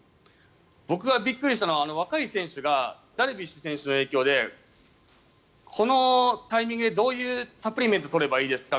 僕がびっくりしたのは若い選手がダルビッシュ選手の影響でこのタイミングでどういうサプリメントを取ればいいですか？